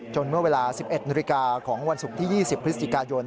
จนเมื่อเวลา๑๑นของวันศุกร์ที่๒๐พย